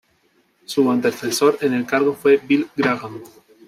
Su antecesor en el cargo fue Bill Graham.